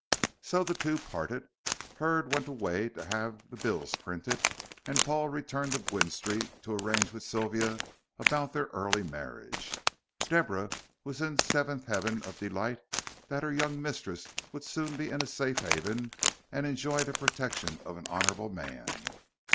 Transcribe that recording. So the two parted. Hurd went away to have the bills printed, and Paul returned to Gwynne Street to arrange with Sylvia about their early marriage. Deborah was in the seventh heaven of delight that her young mistress would soon be in a safe haven and enjoy the protection of an honorable man.